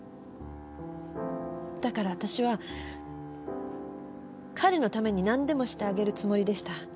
だから私は彼のために何でもしてあげるつもりでした。